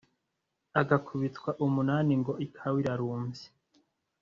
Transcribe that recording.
Agakubitwa umunani Ngo ikawa irarumbye